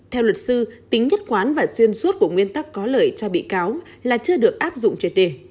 theo luật sư tính nhất quán và xuyên suốt của nguyên tắc có lợi cho bị cáo là chưa được áp dụng tt